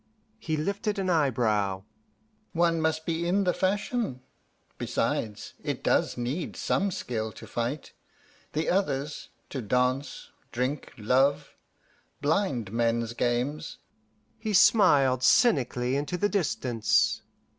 He lifted an eyebrow. "One must be in the fashion; besides, it does need some skill to fight. The others to dance, drink, love: blind men's games!" He smiled cynically into the distance.